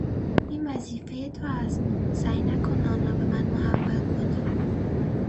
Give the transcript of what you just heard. این وظیفهی تو است، سعی نکن آن را به من محول کنی!